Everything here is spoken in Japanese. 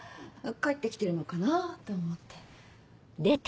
帰って来てるのかなと思って。